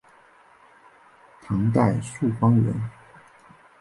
唐代朔方人。